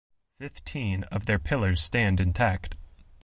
Fifteen of their pillars stand intact.